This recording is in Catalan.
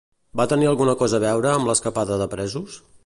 Va tenir alguna cosa a veure amb l'escapada de presos?